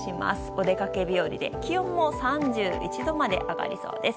お出かけ日和で気温も３１度まで上がりそうです。